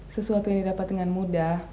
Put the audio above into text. sesuatu yang didapat dengan mudah